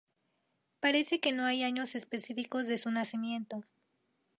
Parece que no hay años específicos de su nacimiento.